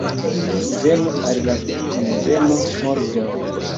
Venu al la kunveno, morgaŭ